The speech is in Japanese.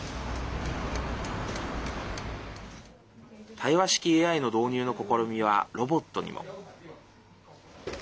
対話式ＡＩの導入の試みはロボットにも。